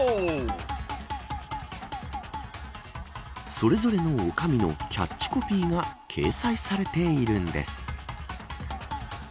それぞれの女将のキャッチコピーが掲載されているんです。